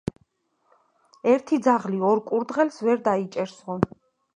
ერთი ძაღლი ორ კურდღელს ვერ დაიჭერსო